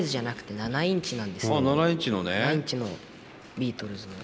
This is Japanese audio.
７インチのビートルズの。